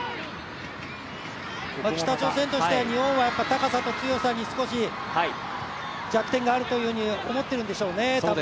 北朝鮮としては日本は高さと強さに少し弱点があるというふうに思っているんでしょうね。